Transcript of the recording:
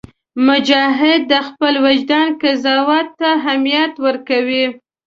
مجاهد د خپل وجدان قضاوت ته اهمیت ورکوي.